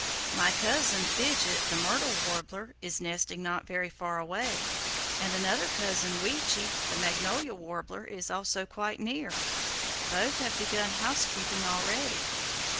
My cousin, Fidget the Myrtle Warbler, is nesting not very far away, and another cousin Weechi the Magnolia Warbler is also quite near. Both have begun housekeeping already."